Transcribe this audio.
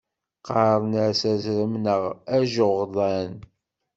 Qqaren-as aẓrem neɣ ajeɣdan.